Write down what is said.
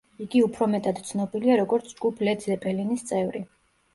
იგი უფრო მეტად ცნობილია, როგორც ჯგუფ ლედ ზეპელინის წევრი.